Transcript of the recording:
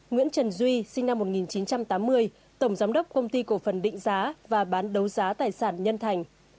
nguyễn trần duy sinh năm một nghìn chín trăm tám mươi tổng giám đốc công ty cổ phần định giá và bán đấu giá tài sản nhân thành